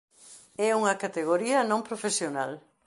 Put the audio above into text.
É unha categoría non profesional.